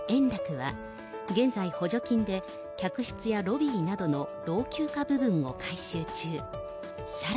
楽は、現在補助金で客室やロビーなどの老朽化部分も改修中。